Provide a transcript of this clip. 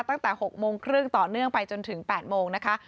ตั้งแต่๖โมงครึ่งต่อเนื่องไปจนถึง๘โมงนะคะ